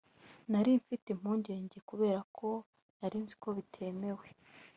Nari mfite impungenge kubera ko nari nzi ko bitemewe